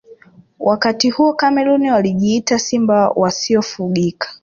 wakati huo cameroon walijiita simba wasiofugika